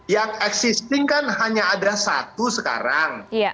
yang existing kan hanya ada satu sekarang